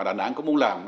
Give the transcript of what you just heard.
đà nẵng cũng muốn làm